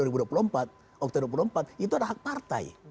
itu adalah hak partai